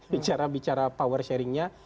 bicara bicara power sharingnya